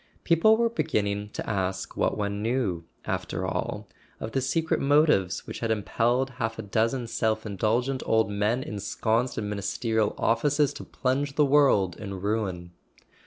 People were beginning to ask what one knew, after all, of the secret motives which had impelled half a dozen self indulgent old men ensconced in Ministerial offices to plunge the world in ruin.